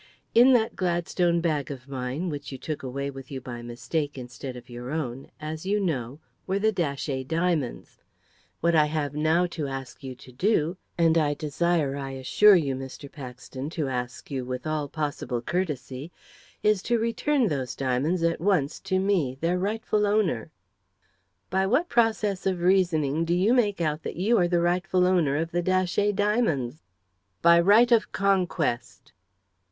In that Gladstone bag of mine, which you took away with you by mistake instead of your own, as you know, were the Datchet diamonds. What I have now to ask you to do and I desire, I assure you, Mr. Paxton, to ask you with all possible courtesy is to return those diamonds at once to me, their rightful owner." "By what process of reasoning do you make out that you are the rightful owner of the Datchet diamonds?" "By right of conquest."